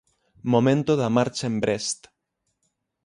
Momento da marcha en Brest.